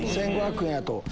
１５００円やと。